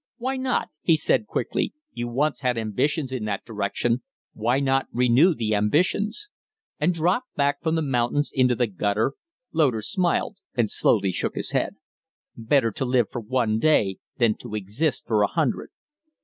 "Why not?" he said, quickly. "You once had ambitions in that direction. Why not renew the ambitions?" "And drop back from the mountains into the gutter?" Loder smiled and slowly shook his head. "Better to live for one day than to exist for a hundred!"